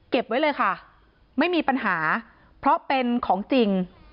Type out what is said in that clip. ไว้เลยค่ะไม่มีปัญหาเพราะเป็นของจริง